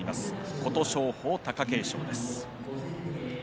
琴勝峰、貴景勝です。